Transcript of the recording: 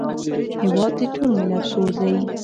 هېواد د ټول ملت کور دی